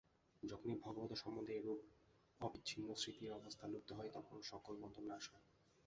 যখন ভগবৎ-সম্বন্ধে এইরূপ অবিচ্ছিন্ন স্মৃতির অবস্থা লব্ধ হয়, তখন সকল বন্ধন নাশ হয়।